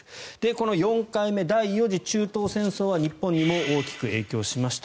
この４回目、第４次中東戦争は日本にも大きく影響しました。